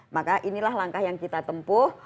maka inilah langkah yang kita tempuh